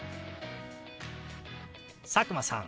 佐久間さん